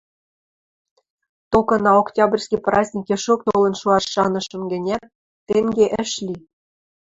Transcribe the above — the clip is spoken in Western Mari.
Токына Октябрьский праздникешок толын шоаш шанышым гӹнят, тенге ӹш ли.